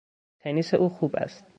تنیس او خوب است.